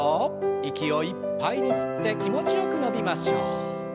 息をいっぱいに吸って気持ちよく伸びましょう。